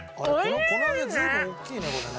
この揚げ随分大きいねこれね。